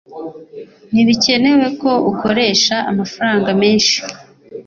ntibikenewe ko ukoresha amafaranga menshi